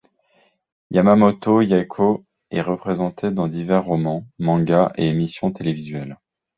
Yamamoto Yaeko est représentée dans divers romans, mangas et émissions télévisuelles.